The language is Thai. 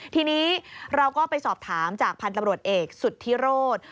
ทีนี้เราก็ไปสอบถามจากพันธุ์ตำรวจเอกสุธิโรธ